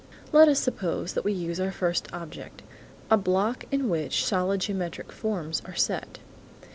Let us suppose that we use our first object,–a block in which solid geometric forms are set.